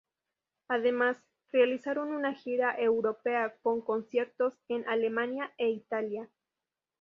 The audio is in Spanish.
Además, realizaron una gira europea con conciertos en Alemania e Italia.